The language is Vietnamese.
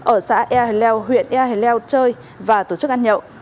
ở xã ea hờ leo huyện ea hờ leo chơi và tổ chức ăn nhậu